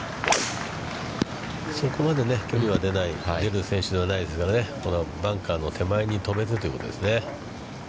そこまで距離は出ない、出る選手ではないですからね、バンカーの手前に止めてということですね。